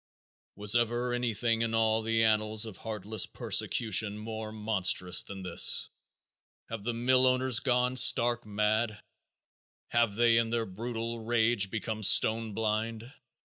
Was ever anything in all the annals of heartless persecution more monstrous than this? Have the mill owners gone stark mad? Have they in their brutal rage become stone blind?